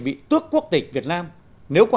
bị tước quốc tịch việt nam nếu có